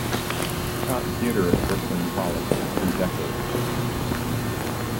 He taught theater at Brooklyn College for three decades.